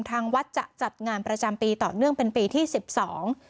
ทางวัดจะจัดงานประจำปีต่อเนื่องเป็นปีที่สิบสอง